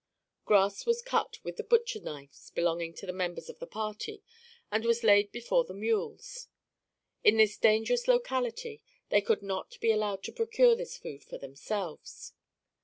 Grass was cut with the butcher knives belonging to the members of the party and was laid before the mules. In this dangerous locality, they could not be allowed to procure this food for themselves.